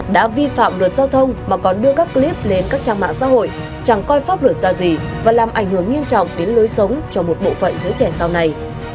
đã vi phạm luật giao thông mà còn đưa các clip lên các trang mạng xã hội chẳng coi pháp luật ra gì và làm ảnh hưởng nghiêm trọng đến lối sống cho một bộ phận giữa trẻ sau này